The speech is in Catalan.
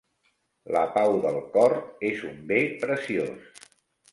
La pau del cor és un bé preciós.